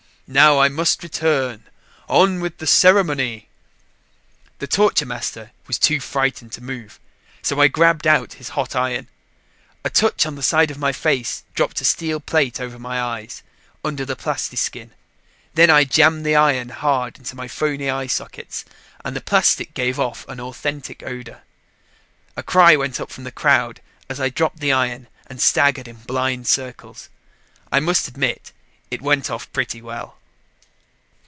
Now I must return on with the ceremony!" The torture master was too frightened to move, so I grabbed out his hot iron. A touch on the side of my face dropped a steel plate over my eyes, under the plastiskin. Then I jammed the iron hard into my phony eye sockets and the plastic gave off an authentic odor. A cry went up from the crowd as I dropped the iron and staggered in blind circles. I must admit it went off pretty well.